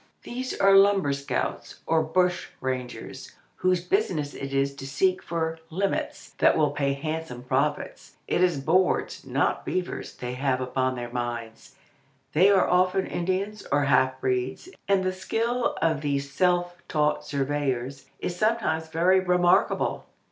These are lumber scouts or bush rangers, whose business it is to seek for "limits" that will pay handsome profits. It is boards, not beavers, they have upon their minds. They are often Indians or half breeds, and the skill of these self taught surveyors is sometimes very remarkable.